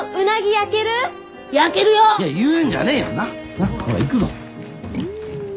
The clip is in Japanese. なあほら行くぞ。